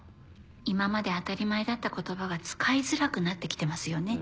今まで当たり前だった言葉が使いづらくなって来てますよね。